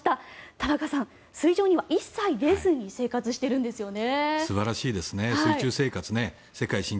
田中さん、水上には一切出ずに生活しているんですよね。